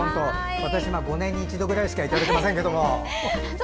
私、５年に一度ぐらいしかいただけませんけども。